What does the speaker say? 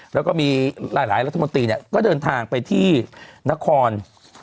แล้วก็มีหลายรัฐมนตรีเนี่ยก็เดินทางไปที่นคร